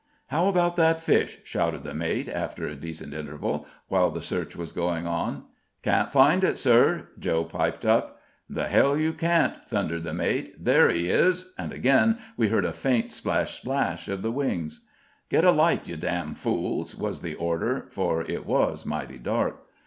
"How about that fish?" shouted the mate, after a decent interval, while the search was going on. "Can't find it, sir," Joe piped up. "The hell you can't!" thundered the mate. "There he is," and again we heard a faint "splash, splash" of the wings. "Get a light, you damn fools," was the order, for it was mighty dark.